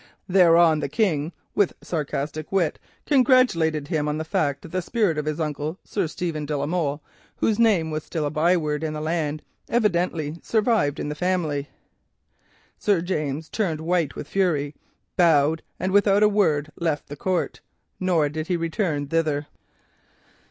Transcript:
Thereon the King, with sarcastic wit, congratulated him on the fact that the spirit of his uncle, Sir Stephen de la Molle, whose name was still a byword in the land, evidently survived in the family. Sir James turned white with anger, bowed, and without a word left the court, nor did he ever return thither.